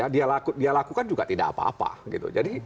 dia lakukan juga tidak apa apa gitu